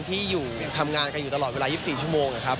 ที่อยู่ทำงานกันอยู่ตลอดเวลา๒๔ชั่วโมงนะครับ